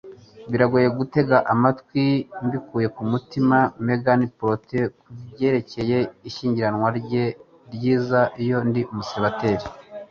Biragoye gutega amatwi mbikuye ku mutima Megan prate kubyerekeye ishyingiranwa rye ryiza iyo ndi umuseribateri.